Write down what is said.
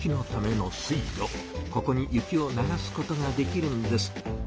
ここに雪を流すことができるんです。